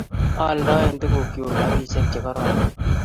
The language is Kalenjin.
A aldaen tukchuk rapisyek che kororon.